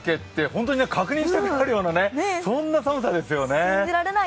本当に確認したくなるようなそんな寒さですよね。